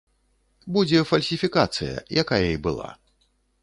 Будзе фальсіфікацыя, якая і была.